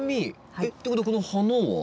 えっということはこの花は？